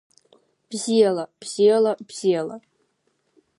Бзиала, бзиала, бзиала!